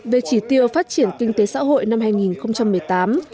về chỉ tiêu phát triển kinh tế xã hội năm hai nghìn một mươi tám